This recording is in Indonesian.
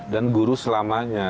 dan guru selamanya